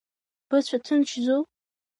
Быцәа ҭынчзу?